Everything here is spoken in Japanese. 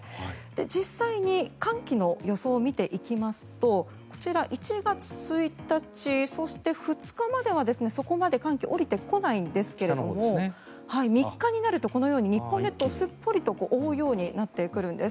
実際に寒気の予想を見ていきますとこちら、１月１日そして、２日まではそこまで寒気が降りてこないんですが３日になると日本列島をすっぽりと覆うようになってくるんです。